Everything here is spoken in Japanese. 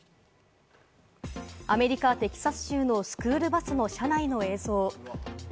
アメリカ・テキサス州のスクールバス車内の映像。